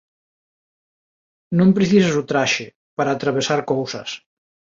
Non precisas o traxe... para atravesar cousas.